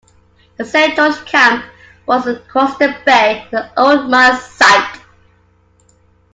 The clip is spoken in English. The Saint George camp was across the bay at an old mine site..